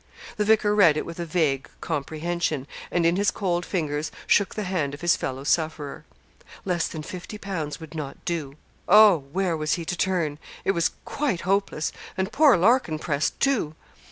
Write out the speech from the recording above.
The vicar read it with a vague comprehension, and in his cold fingers shook the hand of his fellow sufferer. Less than fifty pounds would not do! Oh, where was he to turn? It was quite hopeless, and poor Larkin pressed too!